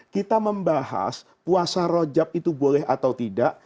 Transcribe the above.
kita membahas puasa rojab itu boleh atau tidak